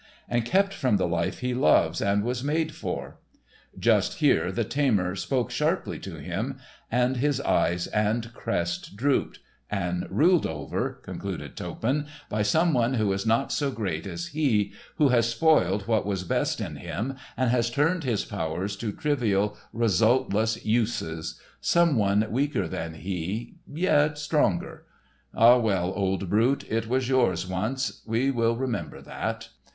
—and kept from the life he loves and was made for"—just here the tamer spoke sharply to him, and his eyes and crest drooped—"and ruled over," concluded Toppan, "by some one who is not so great as he, who has spoiled what was best in him and has turned his powers to trivial, resultless uses—some one weaker than he, yet stronger. Ah, well, old brute, it was yours once, we will remember that."